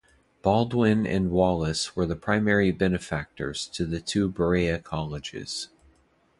Baldwin and Wallace were the primary benefactors to the two Berea colleges.